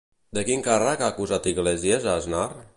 De quin càrrec ha acusat Iglesias a Aznar?